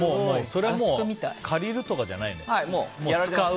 それは、借りるとかじゃないね。